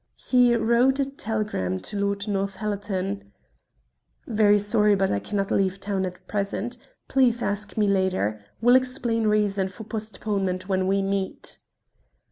He wrote a telegram to Lord Northallerton: "Very sorry, but I cannot leave town at present. Please ask me later. Will explain reason for postponement when we meet."